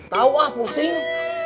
tahu ah pusing